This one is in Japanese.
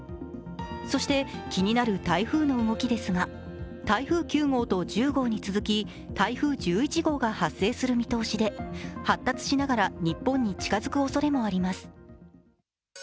そして気になる台風の動きですが、台風９号と１０号に続き、台風１１号が発生する見通しで発達しながら日本に近づくおそれもあります。